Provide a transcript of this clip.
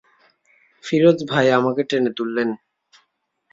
ফিরোজ ভাই আমাকে টেনে তুললেন।